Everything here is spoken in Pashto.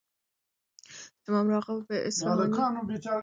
،امام راغب اصفهاني دقران دنظري په وضاحت كې حكومت دحكم دصادريدو سرچينه ګڼي